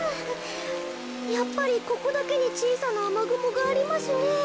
やっぱりここだけにちいさなあまぐもがありますねえ。